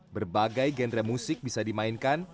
berbagai genre musik bisa dimainkan